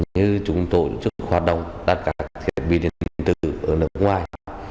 như chúng tôi chức hoạt động đặt các bí điện tử ở nước ngoài